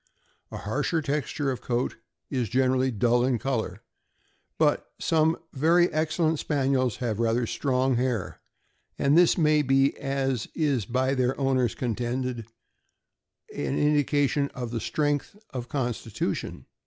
A harsher texture of coat is generally dull in color, but some very excellent Spaniels have rather strong hair, and this may be, as is by their owners contended, an indication of strength of constitution.